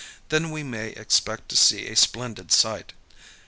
Then we may expect to see a splendid sight.